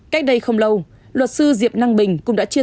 cách đây không lâu luật sư diệp năng bình cũng đã trả lời